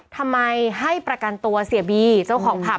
ทำไมให้ประกันตัวเสียบีเจ้าของผับ